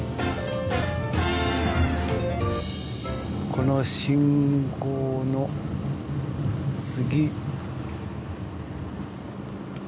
この信号の次。